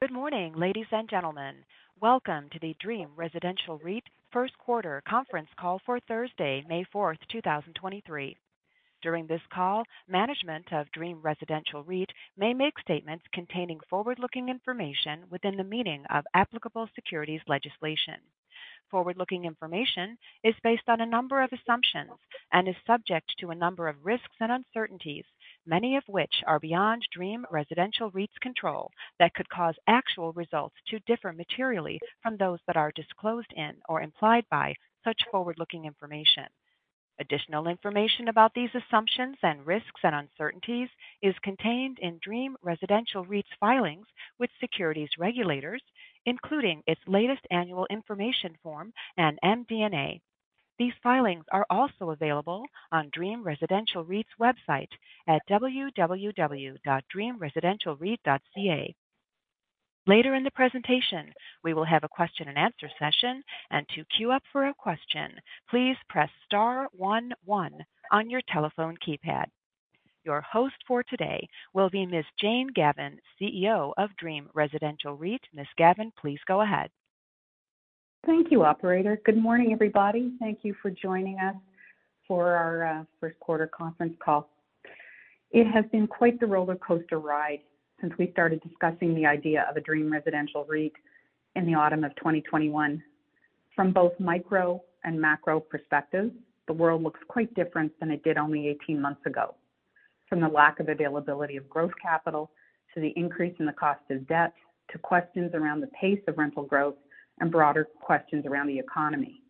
Good morning, ladies and gentlemen. Welcome to the Dream Residential REIT first quarter conference call for Thursday, May 4th, 2023. During this call, management of Dream Residential REIT may make statements containing forward-looking information within the meaning of applicable securities legislation. Forward-looking information is based on a number of assumptions and is subject to a number of risks and uncertainties, many of which are beyond Dream Residential REIT's control that could cause actual results to differ materially from those that are disclosed in or implied by such forward-looking information. Additional information about these assumptions and risks and uncertainties is contained in Dream Residential REIT's filings with securities regulators, including its latest annual information form and MD&A. These filings are also available on Dream Residential REIT's website at www.dreamresidentialreit.ca. Later in the presentation, we will have a question and answer session. To queue up for a question, please press star one one on your telephone keypad. Your host for today will be Ms. Jane Gavan, CEO of Dream Residential REIT. Ms. Gavin, please go ahead. Thank you, operator. Good morning, everybody. Thank you for joining us for our first quarter conference call. It has been quite the roller coaster ride since we started discussing the idea of a Dream Residential REIT in the autumn of 2021. From both micro and macro perspective, the world looks quite different than it did only 18 months ago. From the lack of availability of growth capital to the increase in the cost of debt, to questions around the pace of rental growth and broader questions around the economy.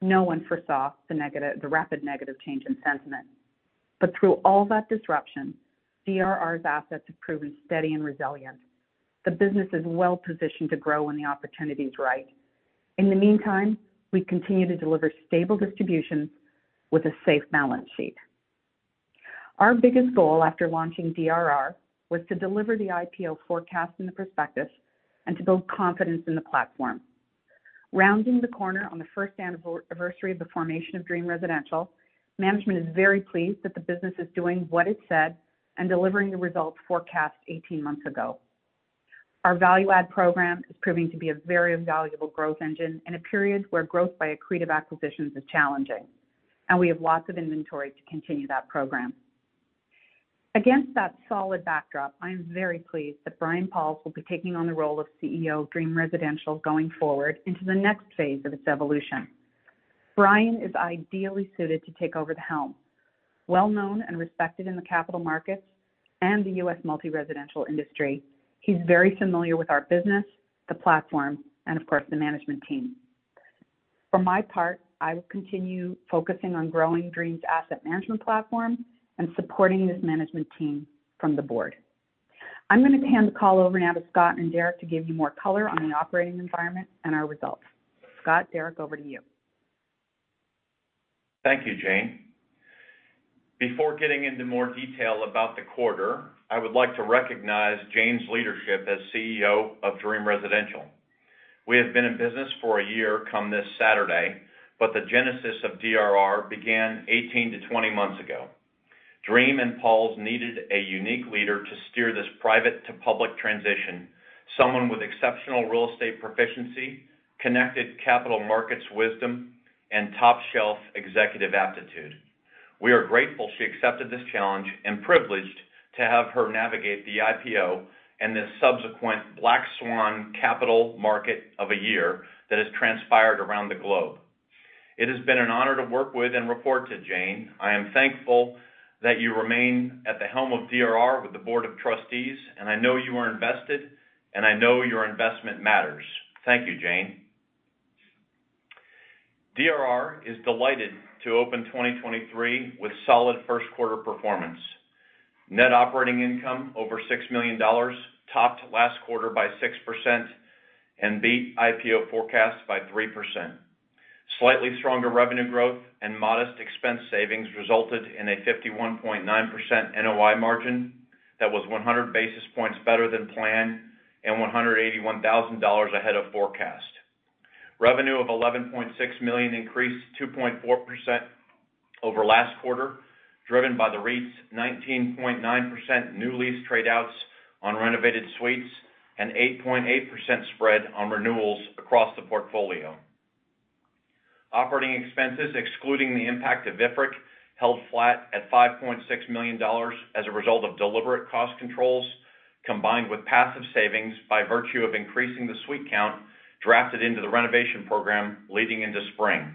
No one foresaw the rapid negative change in sentiment. Through all that disruption, DRR's assets have proven steady and resilient. The business is well-positioned to grow when the opportunity is right. In the meantime, we continue to deliver stable distributions with a safe balance sheet. Our biggest goal after launching DRR was to deliver the IPO forecast in the prospectus and to build confidence in the platform. Rounding the corner on the first anniversary of the formation of Dream Residential, management is very pleased that the business is doing what it said and delivering the results forecast 18 months ago. Our value add program is proving to be a very valuable growth engine in a period where growth by accretive acquisitions is challenging, and we have lots of inventory to continue that program. Against that solid backdrop, I am very pleased that Brian Pauls will be taking on the role of CEO of Dream Residential going forward into the next phase of its evolution. Brian is ideally suited to take over the helm. Well-known and respected in the capital markets and the U.S. multi-residential industry, he's very familiar with our business, the platform, and of course, the management team. For my part, I will continue focusing on growing Dream's asset management platform and supporting this management team from the board. I'm gonna hand the call over now to Scott and Derek to give you more color on the operating environment and our results. Scott, Derek, over to you. Thank you, Jane. Before getting into more detail about the quarter, I would like to recognize Jane's leadership as CEO of Dream Residential. We have been in business for a year come this Saturday, but the genesis of DRR began 18 to 20 months ago. Dream and Pauls' needed a unique leader to steer this private to public transition, someone with exceptional real estate proficiency, connected capital markets wisdom, and top-shelf executive aptitude. We are grateful she accepted this challenge and privileged to have her navigate the IPO and this subsequent black swan capital market of a year that has transpired around the globe. It has been an honor to work with and report to Jane. I am thankful that you remain at the helm of DRR with the board of trustees, and I know you are invested, and I know your investment matters. Thank you, Jane. DRR is delighted to open 2023 with solid first quarter performance. Net operating income over $6 million topped last quarter by 6% and beat IPO forecasts by 3%. Slightly stronger revenue growth and modest expense savings resulted in a 51.9% NOI margin that was 100 basis points better than planned and $181,000 ahead of forecast. Revenue of $11.6 million increased 2.4% over last quarter, driven by the REIT's 19.9% new lease trade outs on renovated suites and 8.8% spread on renewals across the portfolio. Operating expenses, excluding the impact of IFRIC 21, held flat at $5.6 million as a result of deliberate cost controls, combined with passive savings by virtue of increasing the suite count drafted into the renovation program leading into spring.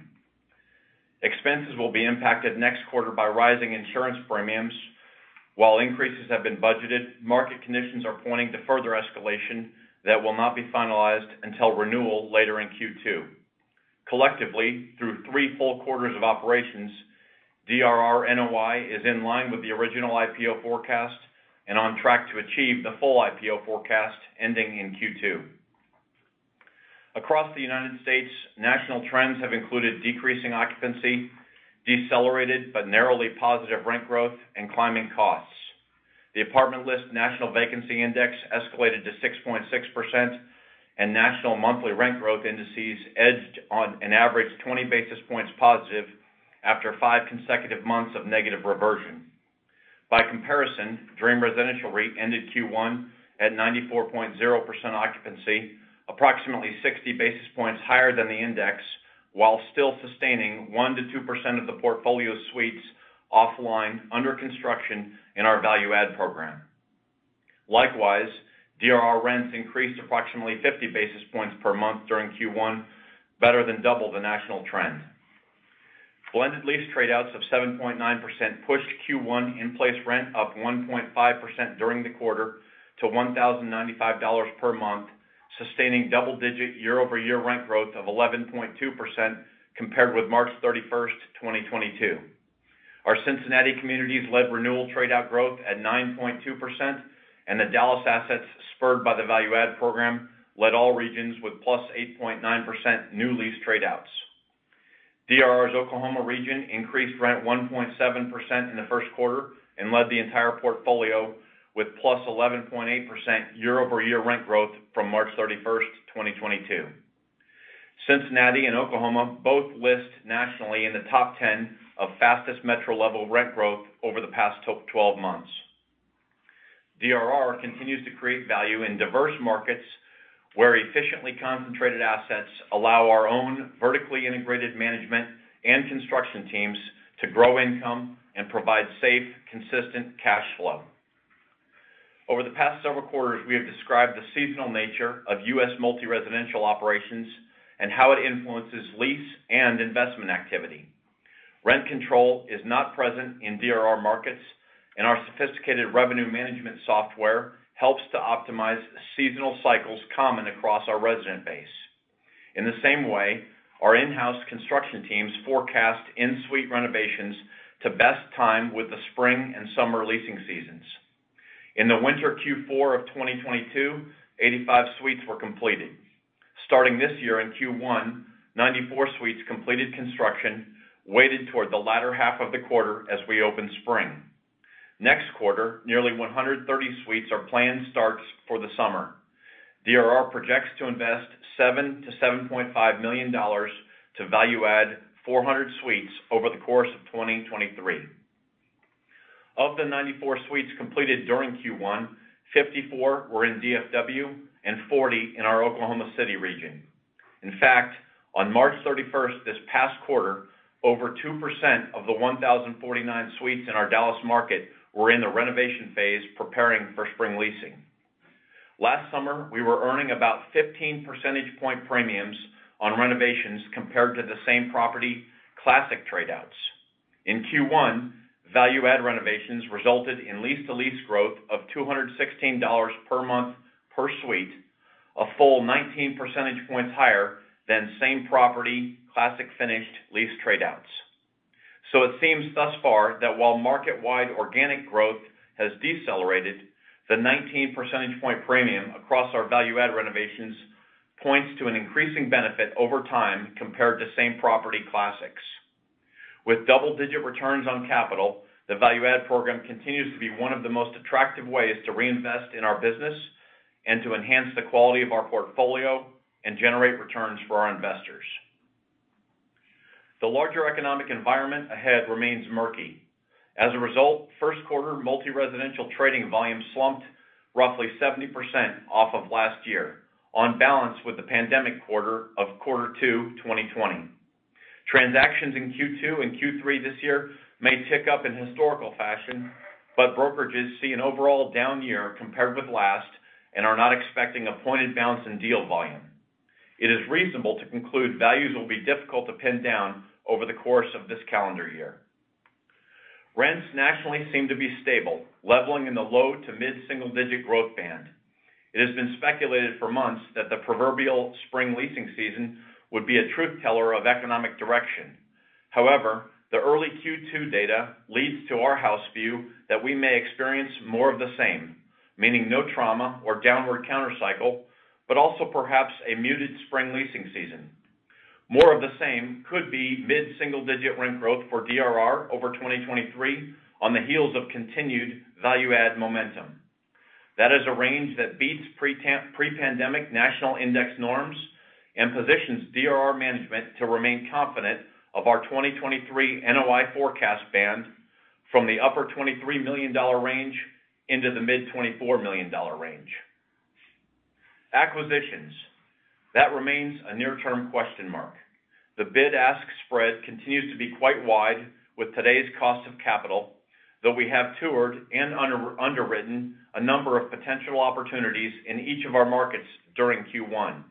Expenses will be impacted next quarter by rising insurance premiums. While increases have been budgeted, market conditions are pointing to further escalation that will not be finalized until renewal later in Q2. Collectively, through 3 full quarters of operations, DRR NOI is in line with the original IPO forecast and on track to achieve the full IPO forecast ending in Q2. Across the United States, national trends have included decreasing occupancy, decelerated but narrowly positive rent growth, and climbing costs. The Apartment List national vacancy index escalated to 6.6%, national monthly rent growth indices edged on an average 20 basis points positive after five consecutive months of negative reversion. By comparison, Dream Resident's initial rate ended Q1 at 94.0% occupancy, approximately 60 basis points higher than the index, while still sustaining 1%-2% of the portfolio suites offline under construction in our value add program. Likewise, DRR rents increased approximately 50 basis points per month during Q1, better than double the national trend. Blended lease trade outs of 7.9% pushed Q1 in-place rent up 1.5% during the quarter to $1,095 per month, sustaining double-digit year-over-year rent growth of 11.2% compared with March 31st, 2022. Our Cincinnati communities led renewal trade out growth at 9.2%, and the Dallas assets, spurred by the value add program, led all regions with +8.9% new lease trade outs. DRR's Oklahoma region increased rent 1.7% in the first quarter and led the entire portfolio with +11.8% year-over-year rent growth from March 31, 2022. Cincinnati and Oklahoma both list nationally in the top 10 of fastest metro-level rent growth over the past 12 months. DRR continues to create value in diverse markets where efficiently concentrated assets allow our own vertically integrated management and construction teams to grow income and provide safe, consistent cash flow. Over the past several quarters, we have described the seasonal nature of US multi-residential operations and how it influences lease and investment activity. Rent control is not present in DRR markets, and our sophisticated revenue management software helps to optimize seasonal cycles common across our resident base. In the same way, our in-house construction teams forecast in-suite renovations to best time with the spring and summer leasing seasons. In the winter Q4 of 2022, 85 suites were completed. Starting this year in Q1, 94 suites completed construction weighted toward the latter half of the quarter as we opened spring. Next quarter, nearly 130 suites are planned starts for the summer. DRR projects to invest $7 million-$7.5 million to value add 400 suites over the course of 2023. Of the 94 suites completed during Q1, 54 were in DFW and 40 in our Oklahoma City region. In fact, on March 31st this past quarter, over 2% of the 1,049 suites in our Dallas market were in the renovation phase preparing for spring leasing. Last summer, we were earning about 15 percentage point premiums on renovations compared to the same property classic trade outs. In Q1, value add renovations resulted in lease-to-lease growth of $216 per month per suite, a full 19 percentage points higher than same property classic finished lease trade outs. It seems thus far that while market-wide organic growth has decelerated, the 19 percentage point premium across our value add renovations points to an increasing benefit over time compared to same property classics. With double-digit returns on capital, the value add program continues to be one of the most attractive ways to reinvest in our business and to enhance the quality of our portfolio and generate returns for our investors. The larger economic environment ahead remains murky. First quarter multi-residential trading volume slumped roughly 70% off of last year on balance with the pandemic quarter of Q2 2020. Transactions in Q2 and Q3 this year may tick up in historical fashion, brokerages see an overall down year compared with last and are not expecting a pointed bounce in deal volume. It is reasonable to conclude values will be difficult to pin down over the course of this calendar year. Rents nationally seem to be stable, leveling in the low to mid-single digit growth band. It has been speculated for months that the proverbial spring leasing season would be a truth teller of economic direction. The early Q2 data leads to our house view that we may experience more of the same, meaning no trauma or downward counter-cycle, but also perhaps a muted spring leasing season. More of the same could be mid-single digit rent growth for DRR over 2023 on the heels of continued value add momentum. That is a range that beats pre-pandemic national index norms and positions DRR management to remain confident of our 2023 NOI forecast band from the upper $23 million range into the mid-$24 million range. Acquisitions. That remains a near-term question mark. The bid-ask spread continues to be quite wide with today's cost of capital, though we have toured and underwritten a number of potential opportunities in each of our markets during Q1.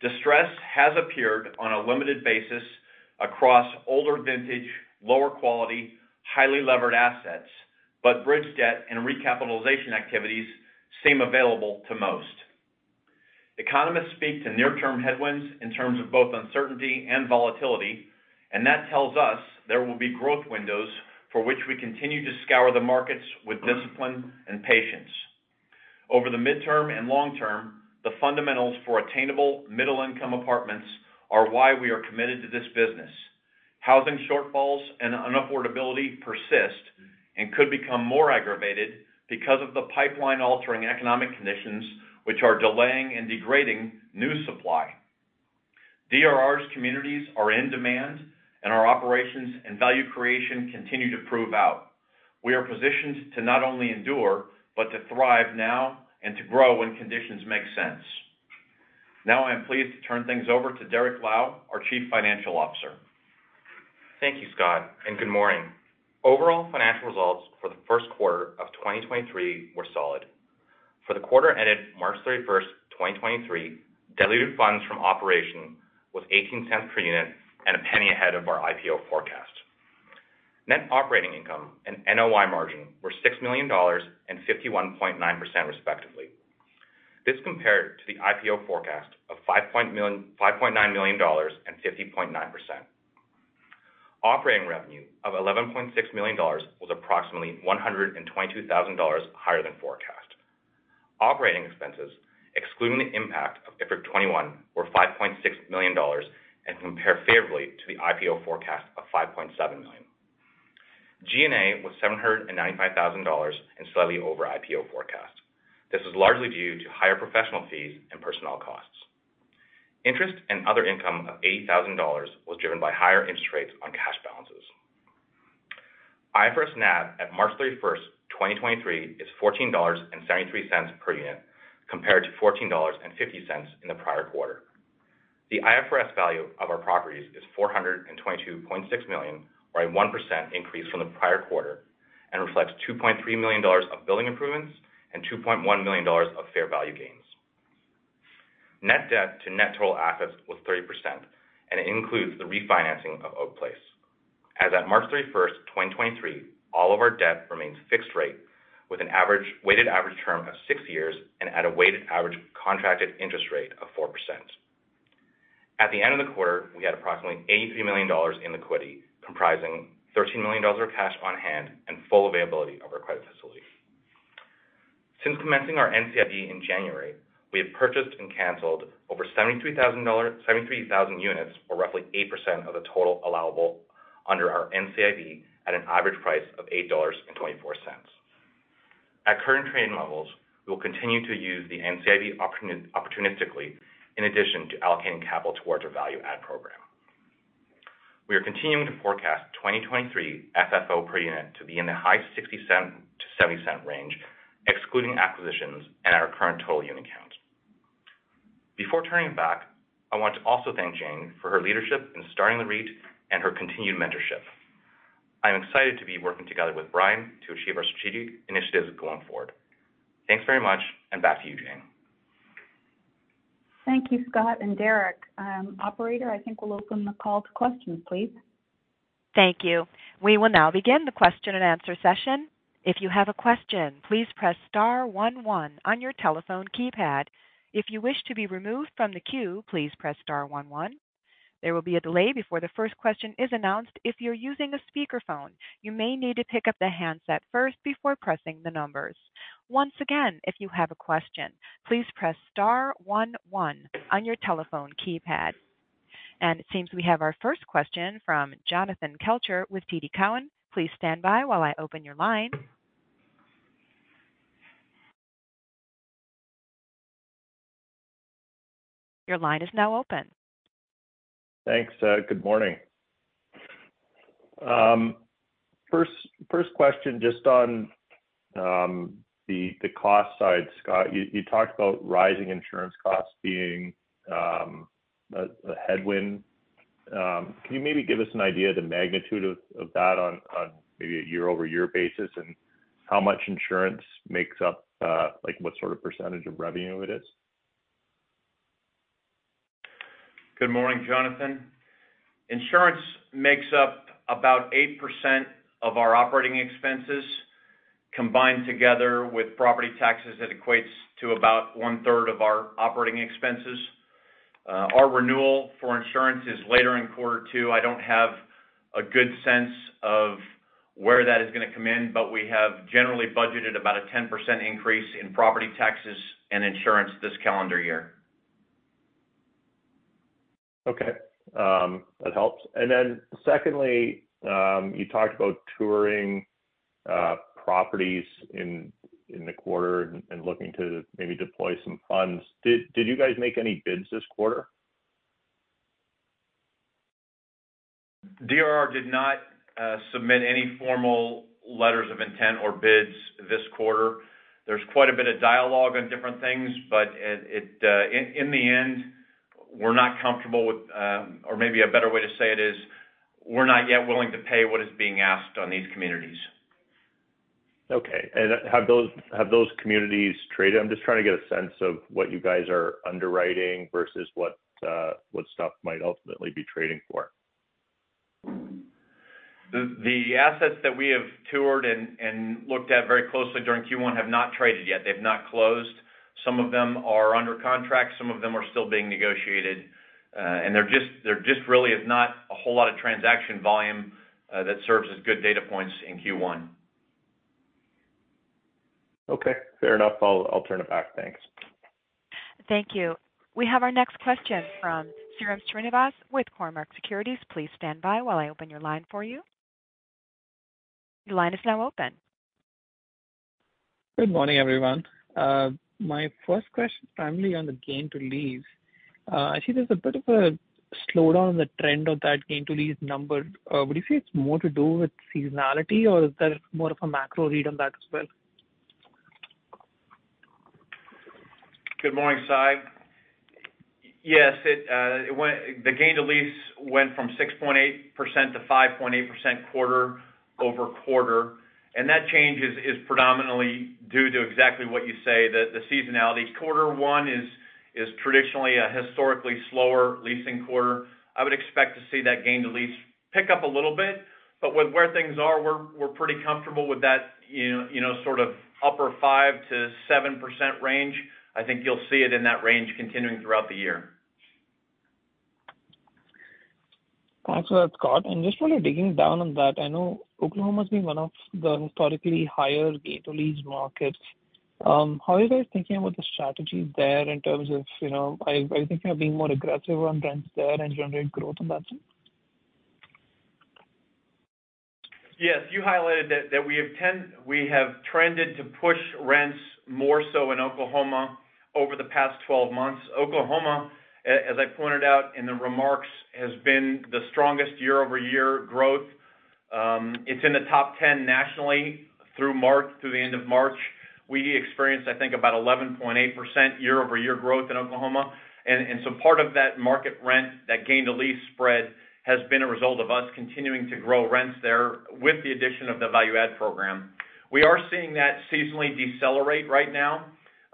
Distress has appeared on a limited basis across older vintage, lower quality, highly levered assets, but bridge debt and recapitalization activities seem available to most. Economists speak to near-term headwinds in terms of both uncertainty and volatility, and that tells us there will be growth windows for which we continue to scour the markets with discipline and patience. Over the midterm and long term, the fundamentals for attainable middle-income apartments are why we are committed to this business. Housing shortfalls and unaffordability persist and could become more aggravated because of the pipeline-altering economic conditions which are delaying and degrading new supply. DRR's communities are in demand, and our operations and value creation continue to prove out. We are positioned to not only endure, but to thrive now and to grow when conditions make sense. Now I am pleased to turn things over to Derrick Lau, our Chief Financial Officer. Thank you, Scott. Good morning. Overall financial results for the first quarter of 2023 were solid. For the quarter ended March 31, 2023, diluted funds from operation was $0.18 per unit and $0.01 ahead of our IPO forecast. Net operating income and NOI margin were $6 million and 51.9% respectively. This compared to the IPO forecast of $5.9 million and 50.9%. Operating revenue of $11.6 million was approximately $122,000 higher than forecast. Operating expenses, excluding the impact of IFRIC 21, were $5.6 million and compare favorably to the IPO forecast of $5.7 million. G&A was $795,000 and slightly over IPO forecast. This is largely due to higher professional fees and personnel costs. Interest and other income of $8,000 was driven by higher interest rates on cash balances. IFRS NAV at March 31st, 2023 is 14.73 dollars per unit, compared to 14.50 dollars in the prior quarter. The IFRS value of our properties is $422.6 million, or a 1% increase from the prior quarter, and reflects $2.3 million of building improvements and $2.1 million of fair value gains. Net debt to net total assets was 30%. It includes the refinancing of Oak Place. As at March 31st, 2023, all of our debt remains fixed rate with a weighted average term of six years and at a weighted average contracted interest rate of 4%. At the end of the quarter, we had approximately $83 million in liquidity, comprising $13 million of cash on hand and full availability of our credit facility. Since commencing our NCIB in January, we have purchased and canceled over 73,000 units or roughly 8% of the total allowable under our NCIB at an average price of $8.24. At current trading levels, we will continue to use the NCIB opportunistically in addition to allocating capital towards our value add program. We are continuing to forecast 2023 FFO per unit to be in the high $0.60-$0.70 range, excluding acquisitions at our current total unit count. Before turning it back, I want to also thank Jane for her leadership in starting the REIT and her continued mentorship. I'm excited to be working together with Brian to achieve our strategic initiatives going forward. Thanks very much. Back to you, Jane. Thank you, Scott and Derek. Operator, I think we'll open the call to questions, please. Thank you. We will now begin the question and answer session. If you have a question, please press star one one on your telephone keypad. If you wish to be removed from the queue, please press star one one. There will be a delay before the first question is announced. If you're using a speakerphone, you may need to pick up the handset first before pressing the numbers. Once again, if you have a question, please press star one one on your telephone keypad. It seems we have our first question from Jonathan Kelcher with TD Cowen. Please stand by while I open your line. Your line is now open. Thanks, good morning. First question, just on the cost side. Scott, you talked about rising insurance costs being a headwind. Can you maybe give us an idea of the magnitude of that on maybe a year-over-year basis, and how much insurance makes up like what sort of % of revenue it is? Good morning, Jonathan. Insurance makes up about 8% of our operating expenses. Combined together with property taxes, it equates to about one-third of our operating expenses. Our renewal for insurance is later in quarter two. I don't have a good sense of where that is gonna come in, but we have generally budgeted about a 10% increase in property taxes and insurance this calendar year. Okay, that helps. Secondly, you talked about touring properties in the quarter and looking to maybe deploy some funds. Did you guys make any bids this quarter? DRR did not submit any formal letters of intent or bids this quarter. There's quite a bit of dialogue on different things. In the end, we're not comfortable with, or maybe a better way to say it is, we're not yet willing to pay what is being asked on these communities. Okay. Have those communities traded? I'm just trying to get a sense of what you guys are underwriting versus what stuff might ultimately be trading for. The assets that we have toured and looked at very closely during Q1 have not traded yet. They've not closed. Some of them are under contract, some of them are still being negotiated. There just really is not a whole lot of transaction volume that serves as good data points in Q1. Okay, fair enough. I'll turn it back. Thanks. Thank you. We have our next question from Sairam Srinivas with Cormark Securities. Please stand by while I open your line for you. Your line is now open. Good morning, everyone. My first question is primarily on the gain-to-lease. I see there's a bit of a slowdown in the trend of that gain-to-lease number. Would you say it's more to do with seasonality, or is there more of a macro read on that as well? Good morning, Sai. Yes, the gain to lease went from 6.8%-5.8% quarter-over-quarter. That change is predominantly due to exactly what you say, the seasonality. Quarter one is traditionally a historically slower leasing quarter. I would expect to see that gain to lease pick up a little bit, but with where things are, we're pretty comfortable with that, you know, you know, sort of upper 5%-7% range. I think you'll see it in that range continuing throughout the year. Thanks for that, Scott. Just sort of digging down on that, I know Oklahoma's been one of the historically higher gain-to-lease markets. How are you guys thinking about the strategy there in terms of, you know, are you thinking of being more aggressive on rents there and generate growth on that front? Yes. You highlighted that we have trended to push rents more so in Oklahoma over the past 12 months. Oklahoma, as I pointed out in the remarks, has been the strongest year-over-year growth. It's in the top 10 nationally through March, through the end of March. We experienced, I think, about 11.8% year-over-year growth in Oklahoma. So part of that market rent, that gain-to-lease spread, has been a result of us continuing to grow rents there with the addition of the value add program. We are seeing that seasonally decelerate right now,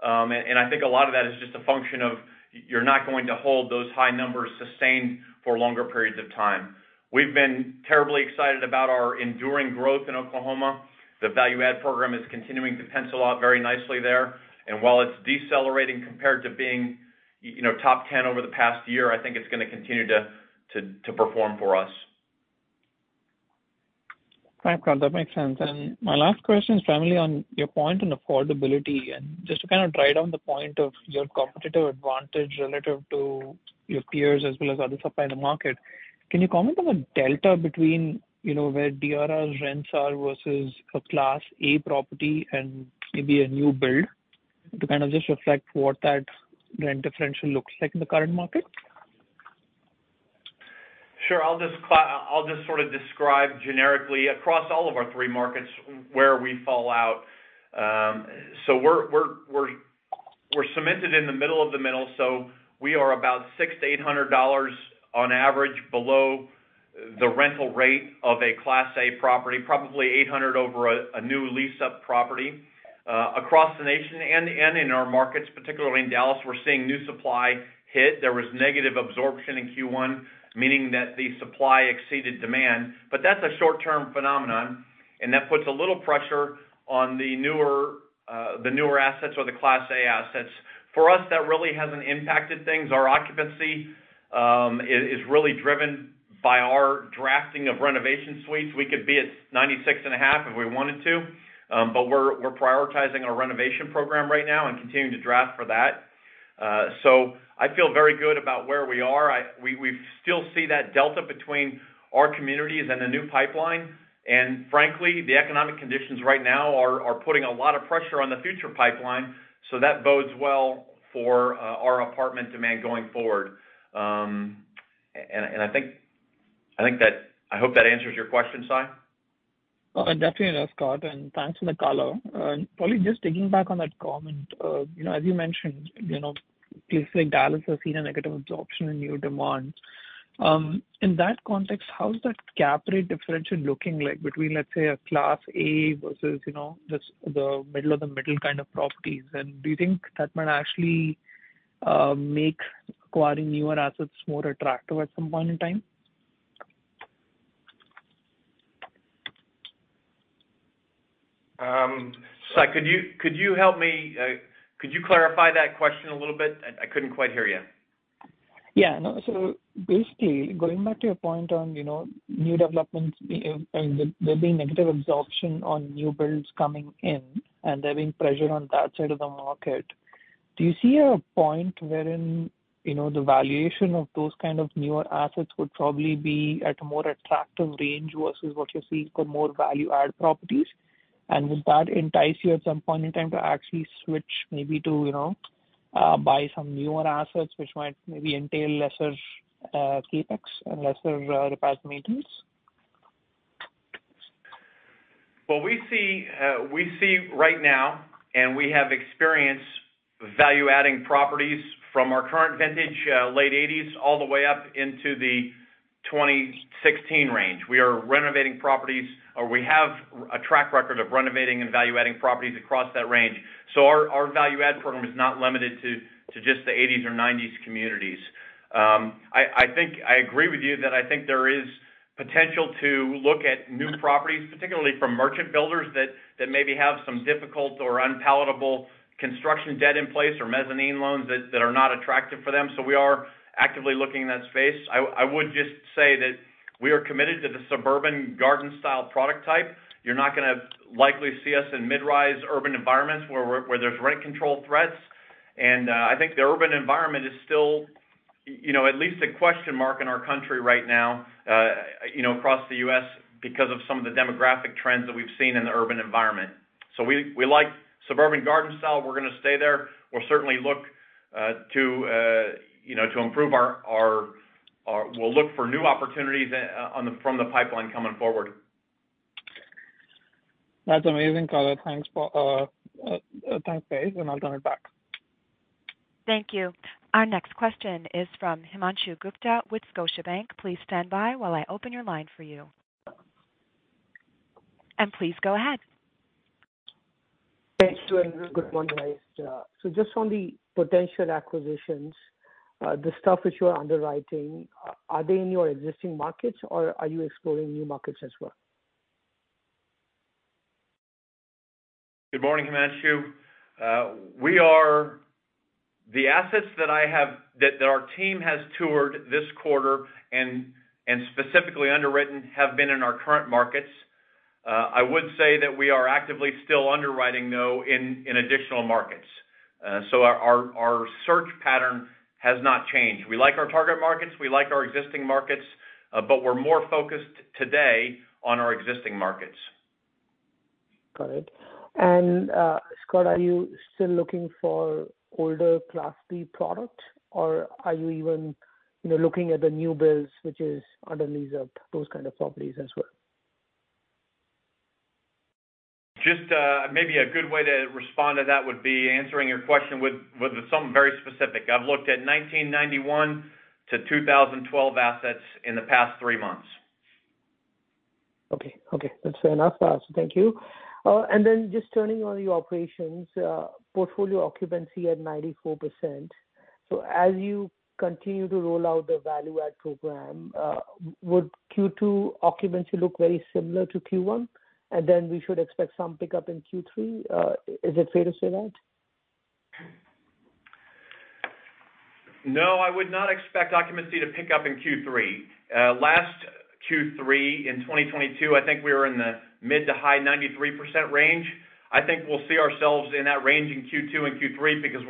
and I think a lot of that is just a function of you're not going to hold those high numbers sustained for longer periods of time. We've been terribly excited about our enduring growth in Oklahoma. The value add program is continuing to pencil out very nicely there. While it's decelerating compared to being, you know, top 10 over the past year, I think it's gonna continue to perform for us. Right. That makes sense. My last question is primarily on your point on affordability, and just to kind of drive down the point of your competitive advantage relative to your peers as well as other supply in the market. Can you comment on the delta between, you know, where DRR's rents are versus a Class A property and maybe a new build to kind of just reflect what that rent differential looks like in the current market? Sure. I'll just sort of describe generically across all of our three markets where we fall out. We're cemented in the middle of the middle, so we are about $600-$800 on average below the rental rate of a Class A property, probably $800 over a new leased-up property. Across the nation and in our markets, particularly in Dallas, we're seeing new supply hit. There was negative absorption in Q1, meaning that the supply exceeded demand. That's a short-term phenomenon, and that puts a little pressure on the newer, the newer assets or the Class A assets. For us, that really hasn't impacted things. Our occupancy is really driven by our drafting of renovation suites. We could be at 96.5 if we wanted to, we're prioritizing our renovation program right now and continuing to draft for that. I feel very good about where we are. We still see that delta between our communities and the new pipeline. Frankly, the economic conditions right now are putting a lot of pressure on the future pipeline, that bodes well for our apartment demand going forward. I hope that answers your question, Sai. It definitely does, Scott, thanks for the call. Probably just digging back on that comment, you know, as you mentioned, you know, places like Dallas have seen a negative absorption in new demand. In that context, how's that cap rate differential looking like between, let's say, a Class A versus, you know, just the middle of the middle kind of properties? Do you think that might actually make acquiring newer assets more attractive at some point in time? Sai, could you clarify that question a little bit? I couldn't quite hear you. Yeah. No. Basically, going back to your point on, you know, new developments and there being negative absorption on new builds coming in, and there being pressure on that side of the market? Do you see a point wherein, you know, the valuation of those kind of newer assets would probably be at a more attractive range versus what you're seeing for more value add properties? Would that entice you at some point in time to actually switch maybe to, you know, buy some newer assets, which might maybe entail lesser CapEx and lesser repairs and maintenance? Well, we see right now, and we have experienced value adding properties from our current vintage, late 80s all the way up into the 2016 range. We are renovating properties, or we have a track record of renovating and value adding properties across that range. Our value add program is not limited to just the 80s or 90s communities. I think I agree with you that I think there is potential to look at new properties, particularly from merchant builders that maybe have some difficult or unpalatable construction debt in place or mezzanine loans that are not attractive for them. We are actively looking in that space. I would just say that we are committed to the suburban garden style product type. You're not gonna likely see us in mid-rise urban environments where there's rent control threats. I think the urban environment is still you know, at least a question mark in our country right now, you know, across the U.S. because of some of the demographic trends that we've seen in the urban environment. We like suburban garden style. We're gonna stay there. We'll certainly look to you know, to improve our. We'll look for new opportunities from the pipeline coming forward. That's amazing, Colin. Thanks, Paige. I'll turn it back. Thank you. Our next question is from Himanshu Gupta with Scotiabank. Please stand by while I open your line for you. Please go ahead. Thanks. Doing good. Good one, guys. Just on the potential acquisitions, the stuff that you are underwriting, are they in your existing markets or are you exploring new markets as well? Good morning, Himanshu. The assets that our team has toured this quarter and specifically underwritten have been in our current markets. I would say that we are actively still underwriting, though, in additional markets. Our search pattern has not changed. We like our target markets, we like our existing markets, but we're more focused today on our existing markets. Scott, are you still looking for older Class B product, or are you even, you know, looking at the new builds which is under lease up, those kind of properties as well? Just, maybe a good way to respond to that would be answering your question with something very specific. I've looked at 1991 to 2012 assets in the past three months. Okay. Okay. That's fair enough. Thank you. Just turning on your operations, portfolio occupancy at 94%. As you continue to roll out the value add program, would Q2 occupancy look very similar to Q1, and then we should expect some pickup in Q3? Is it fair to say that? I would not expect occupancy to pick up in Q3. Last Q3 in 2022, I think we were in the mid to high 93% range. I think we'll see ourselves in that range in Q2 and Q3 because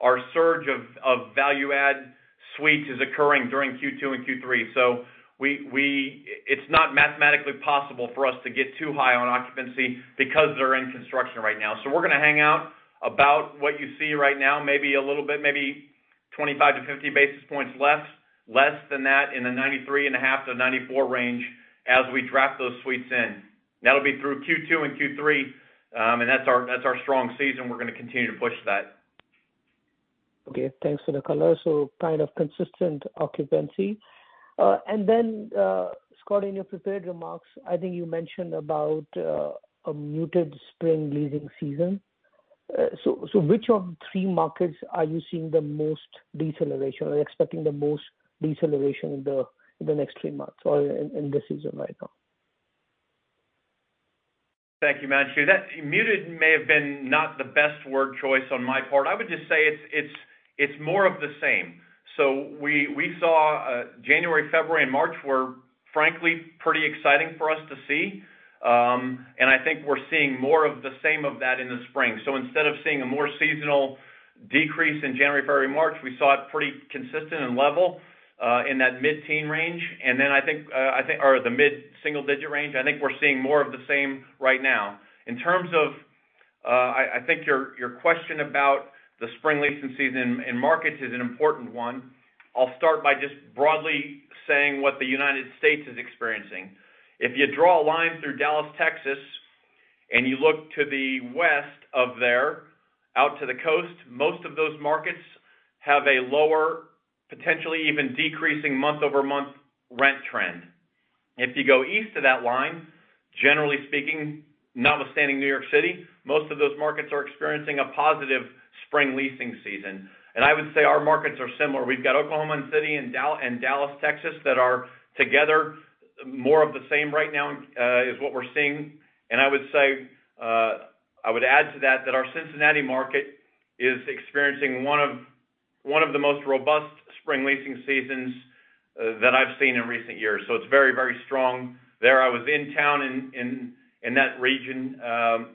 our surge of value add suites is occurring during Q2 and Q3. It's not mathematically possible for us to get too high on occupancy because they're in construction right now. We're gonna hang out about what you see right now, maybe a little bit, maybe 25 to 50 basis points less than that in the 93.5% to 94% range as we draft those suites in. That'll be through Q2 and Q3, that's our strong season. We're gonna continue to push that. Okay. Thanks for the color. Kind of consistent occupancy. Scott, in your prepared remarks, I think you mentioned about a muted spring leasing season. Which of the three markets are you seeing the most deceleration or expecting the most deceleration in the next three months or in this season right now? Thank you, Himanshu. Muted may have been not the best word choice on my part. I would just say it's more of the same. We saw January, February, and March were, frankly, pretty exciting for us to see. I think we're seeing more of the same of that in the spring. Instead of seeing a more seasonal decrease in January, February, March, we saw it pretty consistent and level in that mid-teen range. I think or the mid-single digit range. I think we're seeing more of the same right now. In terms of, I think your question about the spring leasing season and markets is an important one. I'll start by just broadly saying what the United States is experiencing. If you draw a line through Dallas, Texas, and you look to the west of there out to the coast, most of those markets have a lower, potentially even decreasing month-over-month rent trend. If you go east of that line, generally speaking, notwithstanding New York City, most of those markets are experiencing a positive spring leasing season. I would say our markets are similar. We've got Oklahoma City and Dallas, Texas, that are together more of the same right now, is what we're seeing. I would say, I would add to that our Cincinnati market is experiencing one of the most robust spring leasing seasons, that I've seen in recent years. It's very, very strong there. I was in town in that region,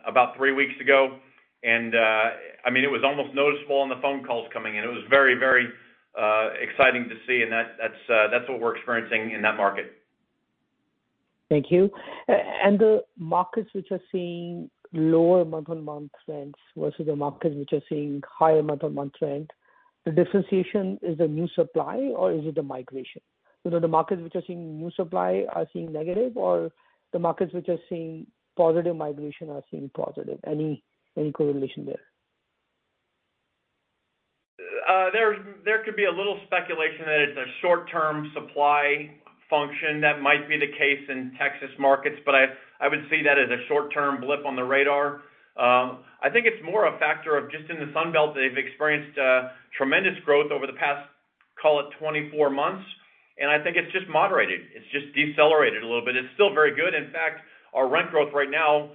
about three weeks ago, I mean, it was almost noticeable on the phone calls coming in. It was very, very exciting to see. That's what we're experiencing in that market. Thank you. The markets which are seeing lower month-on-month rents versus the markets which are seeing higher month-on-month rent, the differentiation, is it new supply or is it the migration? Are the markets which are seeing new supply are seeing negative, or the markets which are seeing positive migration are seeing positive? Any correlation there? There could be a little speculation that it's a short-term supply function. That might be the case in Texas markets, but I would see that as a short-term blip on the radar. I think it's more a factor of just in the Sun Belt, they've experienced tremendous growth over the past, call it, 24 months, and I think it's just moderated. It's just decelerated a little bit. It's still very good. In fact, our rent growth right now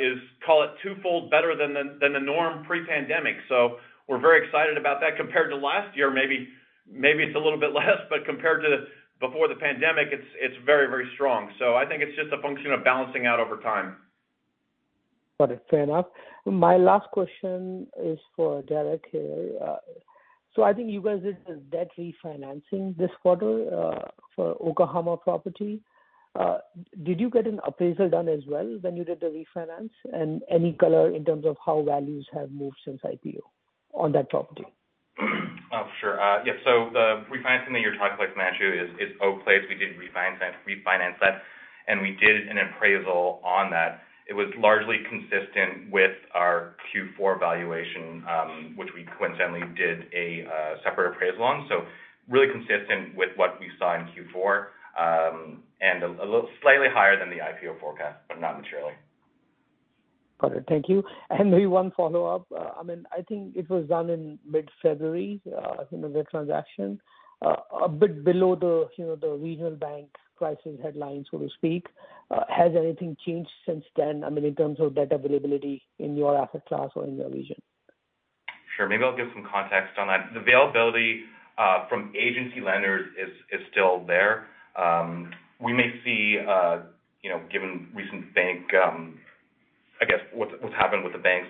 is, call it, twofold better than the norm pre-pandemic. We're very excited about that. Compared to last year, maybe it's a little bit less, but compared to before the pandemic, it's very, very strong. I think it's just a function of balancing out over time. Got it. Fair enough. My last question is for Derek here. I think you guys did the debt refinancing this quarter, for Oklahoma property. Did you get an appraisal done as well when you did the refinance? Any color in terms of how values have moved since IPO on that property? The refinancing that you're talking about, Manju, is Oak Place. We did refinance that, and we did an appraisal on that. It was largely consistent with our Q4 valuation, which we coincidentally did a separate appraisal on. Really consistent with what we saw in Q4, and a little slightly higher than the IPO forecast, but not materially. Got it. Thank you. Maybe one follow-up. I mean, I think it was done in mid-February, you know, the transaction, a bit below the, you know, the regional bank pricing headlines, so to speak. Has anything changed since then, I mean, in terms of debt availability in your asset class or in your region? Sure. Maybe I'll give some context on that. The availability from agency lenders is still there. We may see, you know, given recent bank... I guess what's happened with the banks,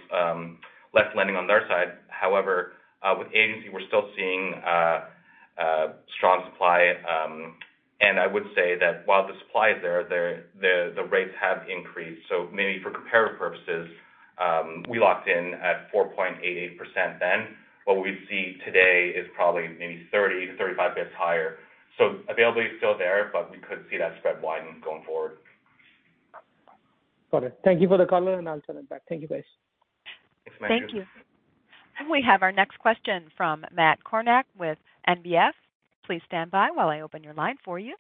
less lending on their side. However, with agency, we're still seeing a strong supply. I would say that while the supply is there, the rates have increased. Maybe for comparative purposes, we locked in at 4.88% then. What we see today is probably maybe 30 to 35 bits higher. Availability is still there, but we could see that spread widen going forward. Got it. Thank you for the color, and I'll turn it back. Thank you, guys. Thanks, Manju. Thank you. We have our next question from Matt Kornack with NBF. Please stand by while I open your line for you.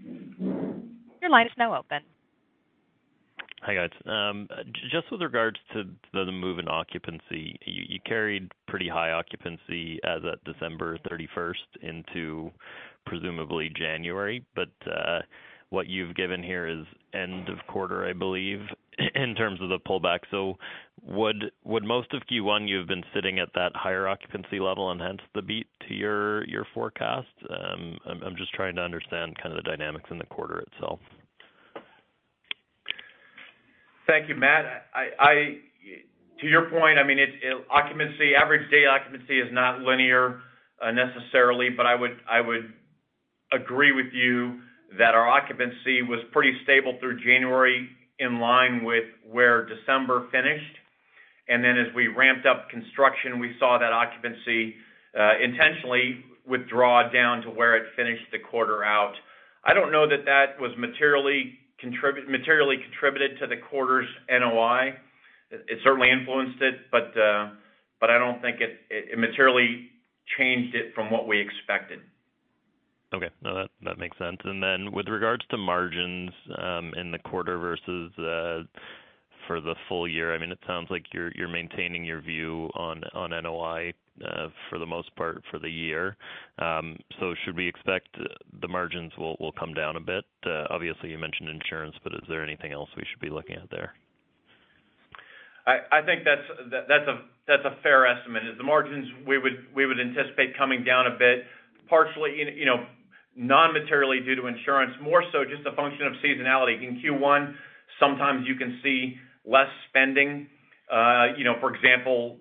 Your line is now open. Hi, guys. Just with regards to the move in occupancy, you carried pretty high occupancy as at December 31st into presumably January. What you've given here is end of quarter, I believe, in terms of the pullback. Would most of Q1, you've been sitting at that higher occupancy level and hence the beat to your forecast? I'm just trying to understand kind of the dynamics in the quarter itself. Thank you, Matt. I, to your point, I mean, it occupancy, average day occupancy is not linear, necessarily. I would agree with you that our occupancy was pretty stable through January, in line with where December finished. As we ramped up construction, we saw that occupancy intentionally withdraw down to where it finished the quarter out. I don't know that that was materially contributed to the quarter's NOI. It certainly influenced it, but I don't think it materially changed it from what we expected. Okay. No, that makes sense. Then with regards to margins, in the quarter versus, for the full year, I mean, it sounds like you're maintaining your view on NOI, for the most part for the year. Should we expect the margins will come down a bit? Obviously, you mentioned insurance, but is there anything else we should be looking at there? I think that's a fair estimate, is the margins we would anticipate coming down a bit, partially, you know, non-materially due to insurance, more so just a function of seasonality. In Q1, sometimes you can see less spending. You know, for example,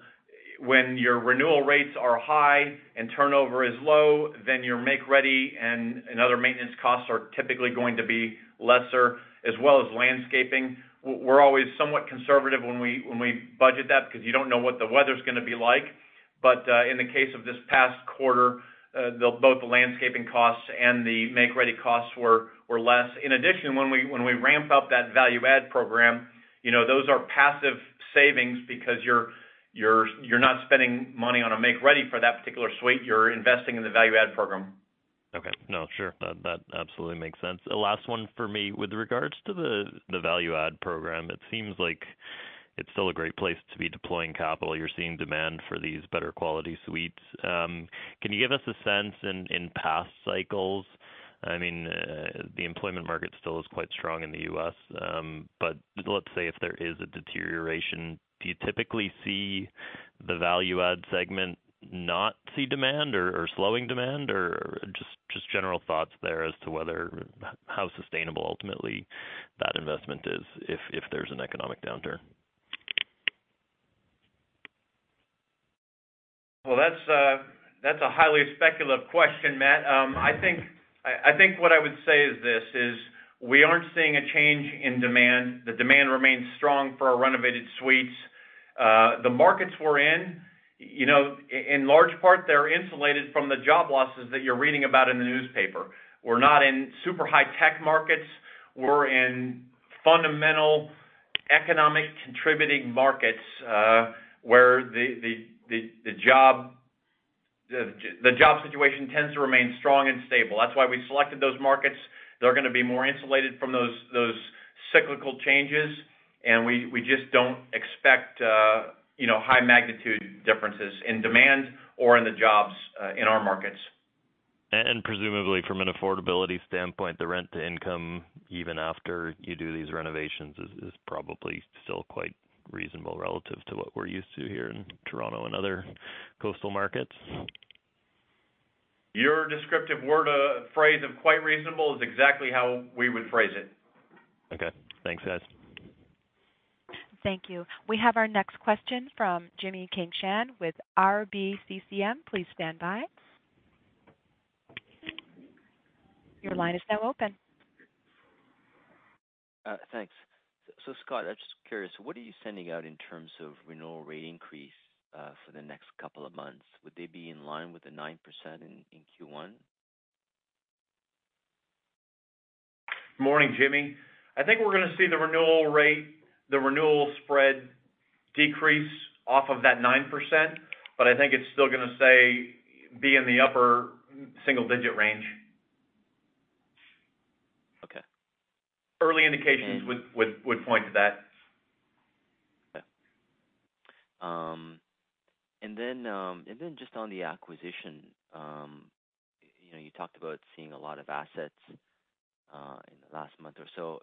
when your renewal rates are high and turnover is low, then your make ready and other maintenance costs are typically going to be lesser, as well as landscaping. We're always somewhat conservative when we budget that because you don't know what the weather's gonna be like. But, in the case of this past quarter, both the landscaping costs and the make ready costs were less. In addition, when we ramp up that value add program, you know, those are passive savings because you're not spending money on a make ready for that particular suite. You're investing in the value add program. Okay. No, sure. That absolutely makes sense. The last one for me. With regards to the value add program, it seems like it's still a great place to be deploying capital. You're seeing demand for these better quality suites. Can you give us a sense in past cycles? I mean, the employment market still is quite strong in the U.S. Let's say if there is a deterioration, do you typically see the value add segment not see demand or slowing demand? Just general thoughts there as to how sustainable ultimately that investment is if there's an economic downturn. Well, that's a highly speculative question, Matt. I think what I would say is this, is we aren't seeing a change in demand. The demand remains strong for our renovated suites. The markets we're in, you know, in large part, they're insulated from the job losses that you're reading about in the newspaper. We're not in super high tech markets. We're in fundamental economic contributing markets, where the job situation tends to remain strong and stable. That's why we selected those markets. They're gonna be more insulated from those cyclical changes, and we just don't expect, you know, high magnitude differences in demand or in the jobs in our markets. presumably from an affordability standpoint, the rent-to-income, even after you do these renovations, is probably still quite reasonable relative to what we're used to here in Toronto and other coastal markets? Your descriptive word or phrase of quite reasonable is exactly how we would phrase it. Okay. Thanks, guys. Thank you. We have our next question from Jimmy King Shan with RBCCM. Please stand by. Your line is now open. Thanks. Scott, I'm just curious, what are you sending out in terms of renewal rate increase for the next couple of months? Would they be in line with the 9% in Q1? Morning, Jimmy. I think we're gonna see the renewal rate, the renewal spread decrease off of that 9%, but I think it's still gonna say be in the upper single-digit range. Okay. Early indications would point to that. Just on the acquisition, you know, you talked about seeing a lot of assets in the last month or so.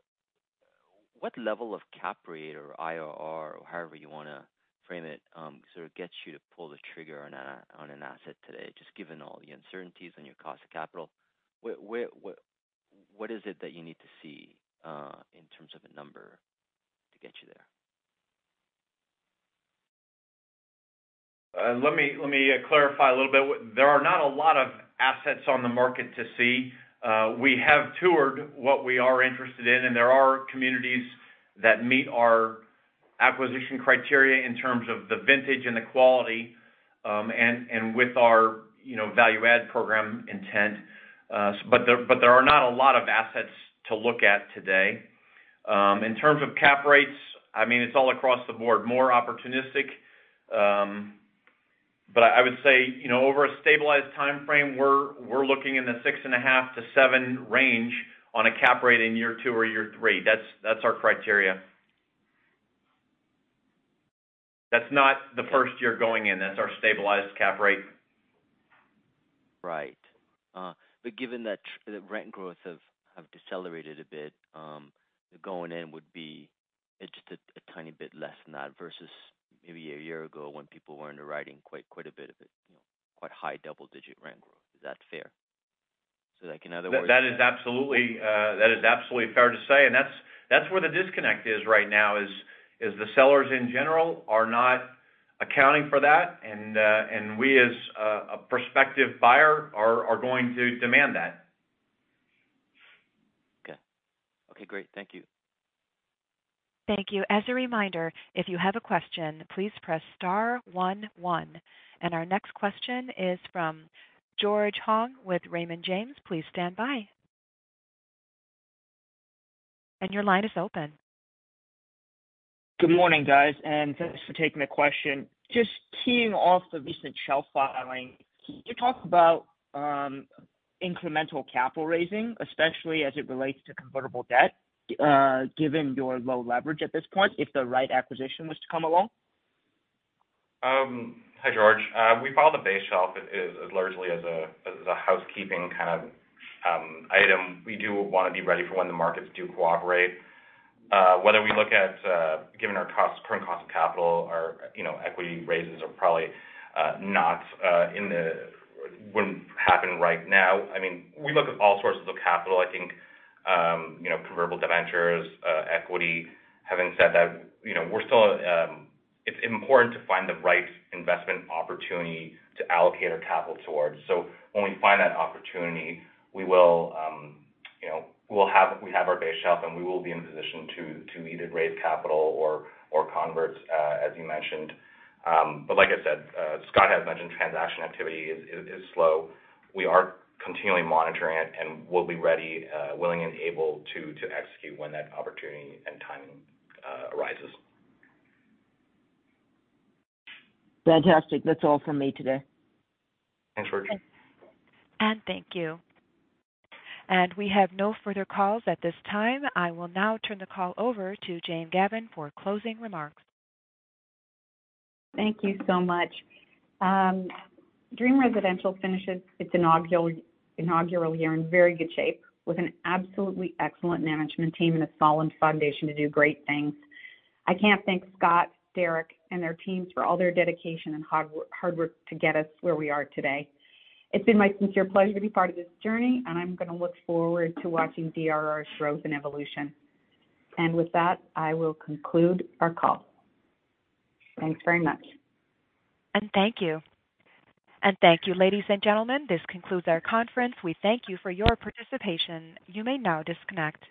What level of cap rate or IRR or however you wanna frame it, sort of gets you to pull the trigger on an asset today, just given all the uncertainties on your cost of capital. What is it that you need to see in terms of a number to get you there? Let me clarify a little bit. There are not a lot of assets on the market to see. We have toured what we are interested in, and there are communities that meet our acquisition criteria in terms of the vintage and the quality, and with our, you know, value add program intent. There are not a lot of assets to look at today. In terms of cap rates, I mean, it's all across the board, more opportunistic. I would say, you know, over a stabilized timeframe, we're looking in the 6.5 to 7 range on a cap rate in year 2 or year 3. That's our criteria. That's not the 1st year going in. That's our stabilized cap rate. Right. Given that the rent growth have decelerated a bit, going in would be just a tiny bit less than that versus maybe a year ago when people were underwriting quite a bit of it, you know, quite high double-digit rent growth. Is that fair? That is absolutely, that is absolutely fair to say. That's where the disconnect is right now, is the sellers in general are not accounting for that. We, as a prospective buyer are going to demand that. Okay. Okay, great. Thank you. Thank you. As a reminder, if you have a question, please press star one. Our next question is from George Hong with Raymond James. Please stand by. Your line is open. Good morning, guys. Thanks for taking the question. Just keying off the recent shelf filing. Can you talk about incremental capital raising, especially as it relates to convertible debt, given your low leverage at this point, if the right acquisition was to come along? Hi, George. We filed a base shelf as largely as a housekeeping kind of item. We do wanna be ready for when the markets do cooperate. Whether we look at, given our cost, current cost of capital, our, you know, equity raises are probably not, wouldn't happen right now. I mean, we look at all sources of capital. I think, you know, convertible debentures, equity. Having said that, you know, we're still. It's important to find the right investment opportunity to allocate our capital towards. When we find that opportunity, we will, you know, we have our base shelf, and we will be in position to either raise capital or convert, as you mentioned. Like I said, Scott has mentioned, transaction activity is slow. We are continually monitoring it, and we'll be ready, willing and able to execute when that opportunity and timing arises. Fantastic. That's all for me today. Thanks, George. Thank you. We have no further calls at this time. I will now turn the call over to Jane Gavan for closing remarks. Thank you so much. Dream Residential finishes its inaugural year in very good shape with an absolutely excellent management team and a solid foundation to do great things. I can't thank Scott, Derek, and their teams for all their dedication and hard work to get us where we are today. It's been my sincere pleasure to be part of this journey, and I'm gonna look forward to watching DRR's growth and evolution. With that, I will conclude our call. Thanks very much. Thank you. Thank you, ladies and gentlemen. This concludes our conference. We thank you for your participation. You may now disconnect.